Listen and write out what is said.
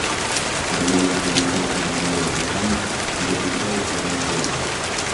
Далей ён вядзе смешны маналог з дзікамі і заклікае іх вярнуцца ў лес.